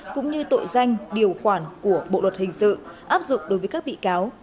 cũng như tội danh điều khoản của bộ luật hình sự áp dụng đối với các bị cáo